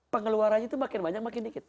pengeluarannya itu makin banyak makin dikit